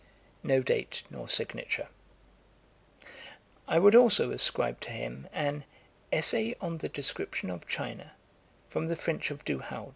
[No date, nor signature] I would also ascribe to him an 'Essay on the Description of China, from the French of Du Halde.